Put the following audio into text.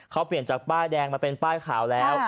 เขาเปลี่ยนจากป้ายแดงมาเป็นป้ายขาวแล้ว